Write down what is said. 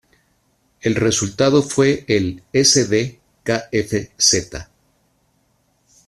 El resultado fue el Sd.Kfz.